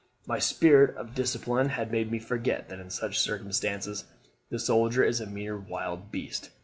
My spirit of discipline had made me forget that in such circumstances the soldier is a mere wild beast.